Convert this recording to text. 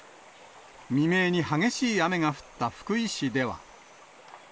未明に激しい雨が降った福井市では。